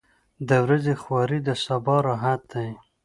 • د ورځې خواري د سبا راحت دی.